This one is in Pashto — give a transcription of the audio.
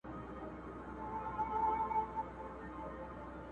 په دعا لاسونه پورته کړه اسمان ته،